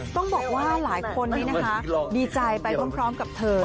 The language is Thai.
ต้องบอกว่าหลายคนนี้นะคะดีใจไปพร้อมกับเธอ